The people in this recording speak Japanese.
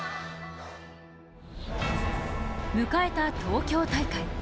迎えた東京大会。